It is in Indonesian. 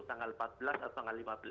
tanggal empat belas atau tanggal lima belas